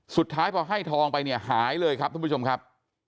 สุดท้ายพอให้ทองไปเนี่ยหายเลยครับทุกผู้ชมครับ